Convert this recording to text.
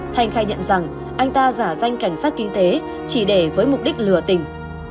thanh khai nhận rằng anh ta giả danh cảnh sát kinh tế chỉ để với mục đích lừa tình